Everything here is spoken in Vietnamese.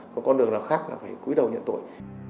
có con đường nào khác là phải cúi đầu nhận tội